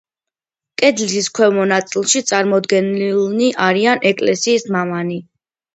კედლის ქვემო ნაწილში წარმოდგენილნი არიან ეკლესიის მამანი.